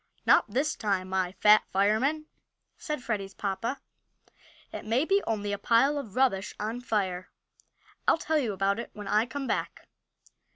"Not this time, my Fat Fireman!" said Freddie's papa. "It may be only a pile of rubbish on fire. I'll tell you about it when I come back."